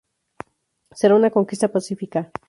Será una conquista pacífica.